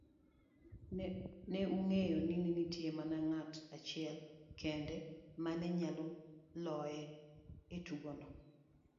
Ne ong'eyo nine nitie mana ng'at achiel kende mane nyalo loye etugono.